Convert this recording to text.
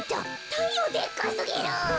たいようでっかすぎる。